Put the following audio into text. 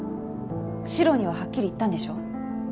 獅郎にははっきり言ったんでしょ？